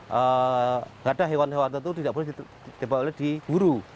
berada hewan hewan tentu tidak boleh diburu